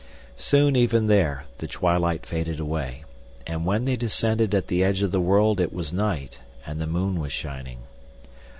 Soon even there the twilight faded away, and when they descended at the edge of the world it was night and the moon was shining.